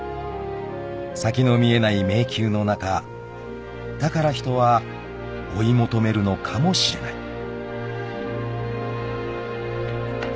［先の見えない迷宮の中だから人は追い求めるのかもしれない］